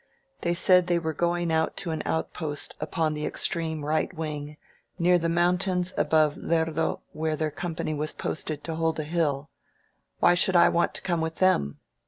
They said they were going out to an outpost upon the extreme right wing, near the mountains above Lerdo, where their company was posted to hold a hill. Why should I want to come with them?